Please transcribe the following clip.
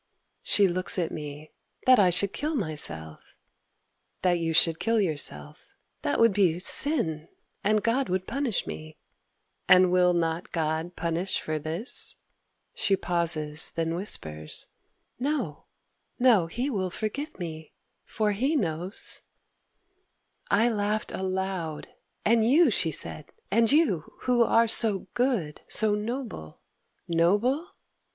She looks at me. "That I should kill myself?"— "That you should kill yourself."—"That would be sin, And God would punish me!"—"And will not God Punish for this?" She pauses: then whispers: "No, no, He will forgive me, for He knows!" I laughed aloud: "And you," she said, "and you, Who are so good, so noble" ... "Noble?